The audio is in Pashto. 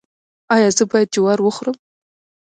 ایا زه باید جوار وخورم؟